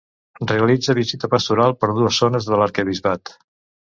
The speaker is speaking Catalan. Realitza visita pastoral per dues zones de l'arquebisbat.